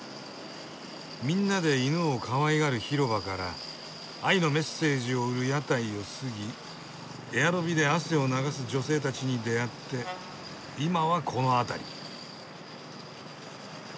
みんなで犬をかわいがる広場から愛のメッセージを売る屋台を過ぎエアロビで汗を流す女性たちに出会って今はこの辺り。